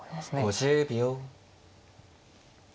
５０秒。